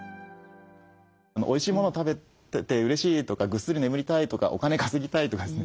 おいしい物を食べててうれしいとかぐっすり眠りたいとかお金稼ぎたいとかですね